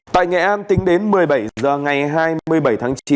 tại nghệ an tính đến một mươi bảy h ngày hai mươi bảy tháng chín